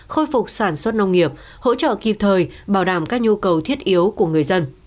khôi phục sản xuất nông nghiệp hỗ trợ kịp thời bảo đảm các nhu cầu thiết yếu của người dân